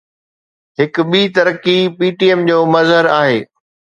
هڪ ٻي ترقي PTM جو مظهر آهي.